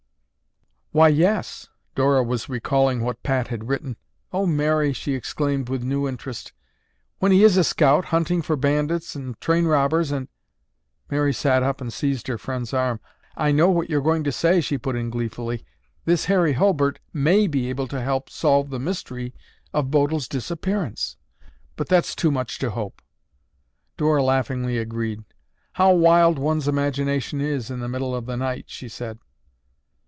"Why, yes!" Dora was recalling what Pat had written. "Oh, Mary," she exclaimed with new interest, "when he is a scout, hunting for bandits and train robbers and—" Mary sat up and seized her friend's arm. "I know what you're going to say," she put in gleefully. "This Harry Hulbert may be able to help solve the mystery of Bodil's disappearance. But that's too much to hope." Dora laughingly agreed. "How wild one's imagination is in the middle of the night," she said.